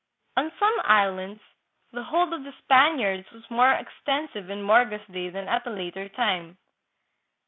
On some islands the hold of the Spaniards was more extensive in Morga's day than at a later time.